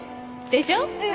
でしょ？